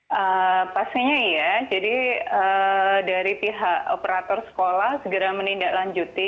sebenarnya ya jadi dari pihak operator sekolah segera menindaklanjuti